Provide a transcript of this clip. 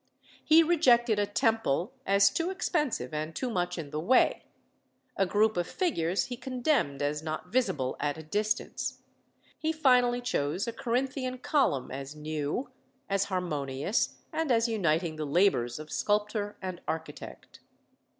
He rejected a temple, as too expensive and too much in the way; a group of figures he condemned as not visible at a distance; he finally chose a Corinthian column as new, as harmonious, and as uniting the labours of sculptor and architect.